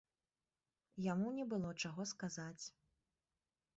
Яму не было чаго сказаць.